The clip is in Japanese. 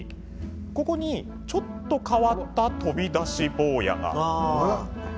ここに、ちょっと変わった飛び出し坊やが。